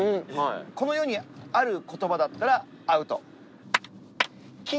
この世にある言葉だったらアウト。